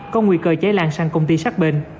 có nguy cơ cháy lan sang công ty sát bên